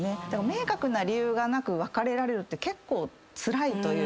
明確な理由がなく別れられるって結構つらい。